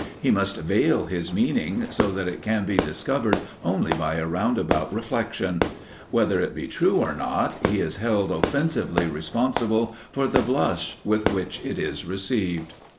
He must veil his meaning so that it can be discovered only by a roundabout reflection. Whether it be true or not, he is held offensively responsible for the blush with which it is received.